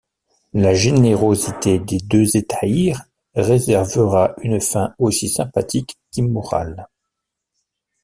La générosité des deux hétaïres réservera une fin aussi sympathique qu'immorale.